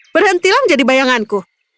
berhentilah menjadi bayanganku